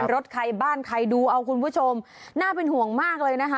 รถใครบ้านใครดูเอาคุณผู้ชมน่าเป็นห่วงมากเลยนะคะ